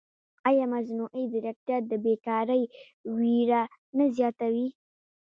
ایا مصنوعي ځیرکتیا د بېکارۍ وېره نه زیاتوي؟